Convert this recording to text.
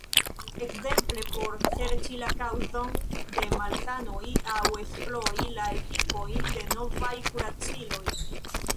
Ekzemple por serĉi la kaŭzon de malsanoj aŭ esplori la efikojn de novaj kuraciloj.